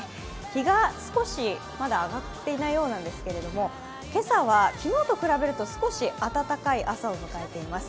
日が少し、まだ上がっていないようなんですけど、今朝は昨日と比べると少し暖かい朝を迎えています。